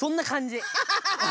ハハハハ！